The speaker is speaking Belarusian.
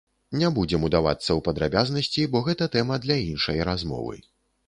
Не будзем удавацца ў падрабязнасці, бо гэта тэма для іншай размовы.